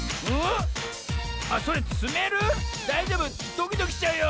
ドキドキしちゃうよ！